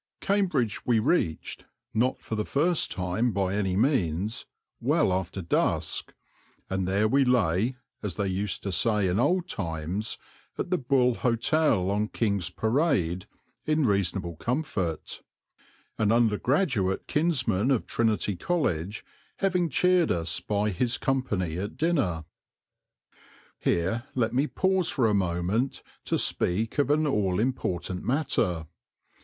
Cambridge we reached not for the first time by any means well after dusk, and there we lay, as they used to say in old times, at the Bull Hotel on King's Parade in reasonable comfort, an undergraduate kinsman of Trinity College having cheered us by his company at dinner. Here let me pause for a moment to speak of an all important matter.